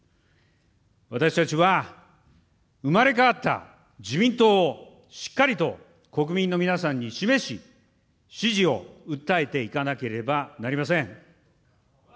私たちは、生まれ変わった自民党をしっかりと国民の皆さんに示し、支持を訴えていかなければなりません。